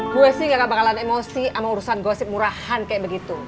gue sih gak bakalan emosi sama urusan gosip murahan kayak begitu